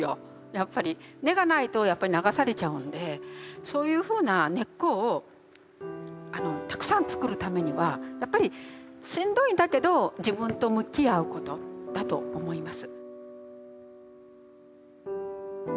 やっぱり根がないとやっぱり流されちゃうんでそういうふうな根っこをたくさんつくるためにはやっぱりしんどいんだけど自分と向き合うことだと思います。